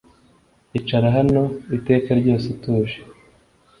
icara hano iteka ryose utuje